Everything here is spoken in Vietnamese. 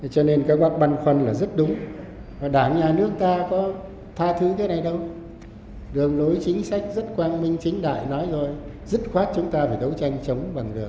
cho nên các bác băn khoăn là rất đúng và đảng nhà nước ta có tha thứ thế này đâu đường lối chính sách rất quang minh chính đại nói rồi dứt khoát chúng ta phải đấu tranh chống bằng được